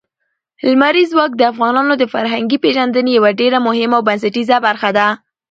لمریز ځواک د افغانانو د فرهنګي پیژندنې یوه ډېره مهمه او بنسټیزه برخه ده.